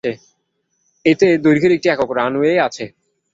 এতে দৈর্ঘ্যের একটি একক রানওয়ে আছে।